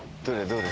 どれ？